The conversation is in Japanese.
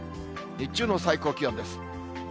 日中の最高気温です。